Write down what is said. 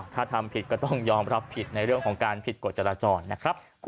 ถ้าทำผิดก็ต้องยอมรับผิดในเรื่องของการผิดกฎจราจรนะครับ